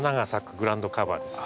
グラウンドカバーです。